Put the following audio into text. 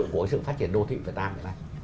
của sự phát triển đô thị việt nam này